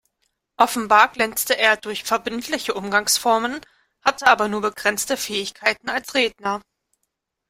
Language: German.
Offenbar glänzte er durch verbindliche Umgangsformen, hatte aber nur begrenzte Fähigkeiten als Redner.